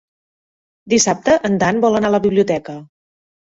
Dissabte en Dan vol anar a la biblioteca.